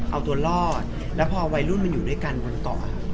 เอาตัวรอดแล้วพอวัยรุ่นมันอยู่ด้วยกันบนเกาะ